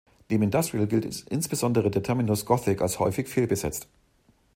Neben Industrial gilt insbesondere der Terminus "Gothic" als häufig fehlbesetzt.